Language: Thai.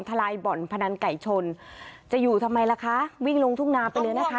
ลายบ่อนพนันไก่ชนจะอยู่ทำไมล่ะคะวิ่งลงทุ่งนาไปเลยนะคะ